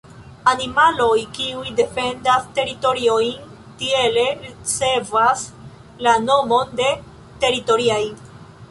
Animaloj kiuj defendas teritoriojn tiele ricevas la nomon de teritoriaj.